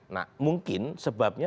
nah mungkin sebabnya